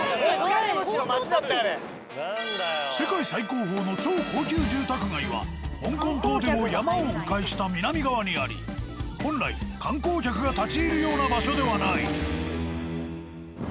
世界最高峰の超高級住宅街は香港島でも山を迂回した南側にあり本来観光客が立ち入るような場所ではない。